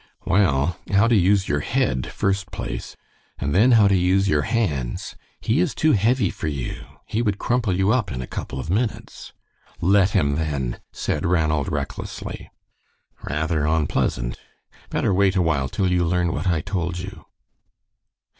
"Well, how to use your head, first place, and then how to use your hands. He is too heavy for you. He would crumple you up in a couple of minutes." "Let him, then," said Ranald, recklessly. "Rather onpleasant. Better wait awhile till you learn what I told you."